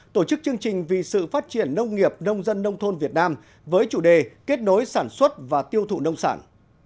tổ chức chương trình vì sự phát triển nông nghiệp nông dân nông thôn việt nam với chủ đề kết nối sản xuất và tiêu thụ nông sản